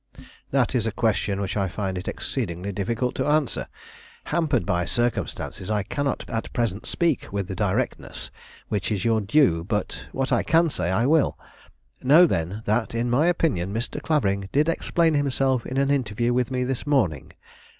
"That is a question which I find it exceedingly difficult to answer. Hampered by circumstances, I cannot at present speak with the directness which is your due, but what I can say, I will. Know, then, that in my opinion Mr. Clavering did explain himself in an interview with me this morning.